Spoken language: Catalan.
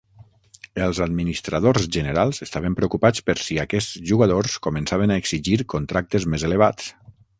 Els administradors generals estaven preocupats per si aquests jugadors començaven a exigir contractes més elevats.